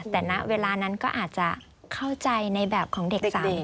แต่ณเวลานั้นก็อาจจะเข้าใจในแบบของเด็กสาว